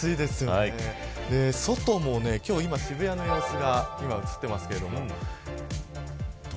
外も今、渋谷の様子が映っていますけど。